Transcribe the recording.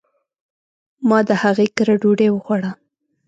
ما د هغي کره ډوډي وخوړه